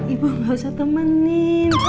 ibu gak usah temenin